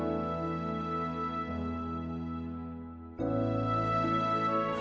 saya ingin tahu